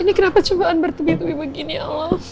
ini kenapa cobaan bertubi tubi begini allah